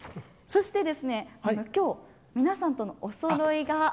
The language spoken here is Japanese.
そして、きょう、皆さんとのおそろいが。